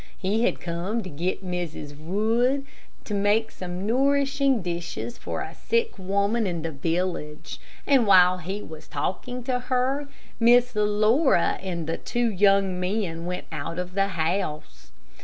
He had come to get Mrs. Wood to make some nourishing dishes for a sick woman in the village, and while he was talking to her, Miss Laura and the two young men went out of the house.